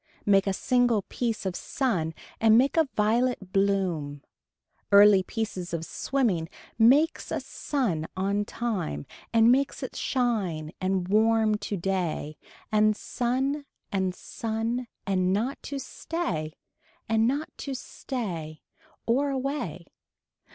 Make a single piece of sun and make a violet bloom. Early piece of swimming makes a sun on time and makes it shine and warm today and sun and sun and not to stay and not to stay or away.